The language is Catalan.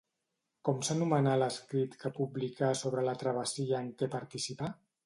Com s'anomenà l'escrit que publicà sobre la travessia en què participà?